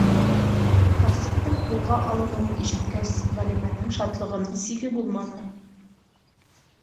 Ҡарсыҡтың кулға алыныуын ишеткәс, Ғәлимәнең шатлығының сиге булманы.